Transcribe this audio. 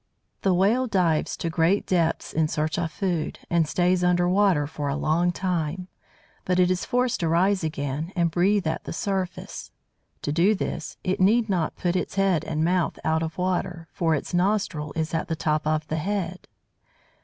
The Whale dives to great depths in search of food, and stays under water for a long time. But it is forced to rise again, and breathe at the surface. To do this, it need not put its head and mouth out of water, for its nostril is at the top of the head.